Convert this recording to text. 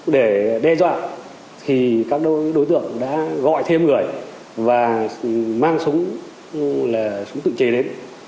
để đe dọa thì các đối tượng đã gọi thêm người và mang súng tự chế đến